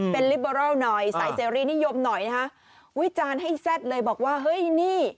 เป็นหน่อยใส่นิยมหน่อยนะคะวิจารณ์ให้แซ่ดเลยบอกว่าเฮ้ยนี่